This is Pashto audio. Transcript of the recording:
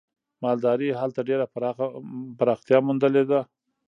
مالدارۍ هلته ډېره پراختیا موندلې ده.